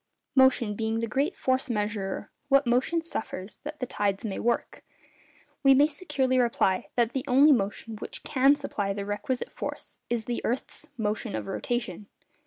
Motion being the great 'force measurer,' what motion suffers that the tides may work? We may securely reply, that the only motion which can supply the requisite force is the earth's motion of rotation.